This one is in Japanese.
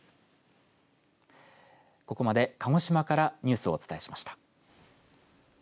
ここまで鹿児島からニュースをお伝えしました。